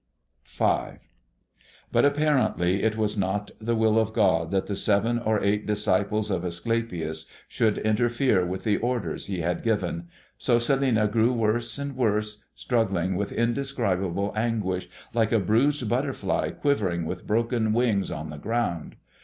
V. But apparently it was not the will of God that the seven or eight disciples of Æsculapius should interfere with the orders he had given, so Celinina grew worse and worse, struggling with indescribable anguish, like a bruised butterfly quivering with broken wings on the ground.